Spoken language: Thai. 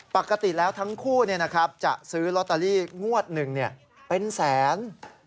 ปกติแล้วทั้งคู่จะซื้อลอตเตอรี่งวดหนึ่งเป็นแสน